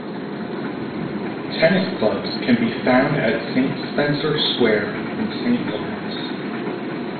Tennis clubs can be found at Spencer Square and Saint Laurence.